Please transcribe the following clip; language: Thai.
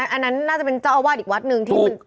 อันนั้นน่าจะเป็นเจ้าอวาดอีกวัดนึงที่สึกไปแล้ว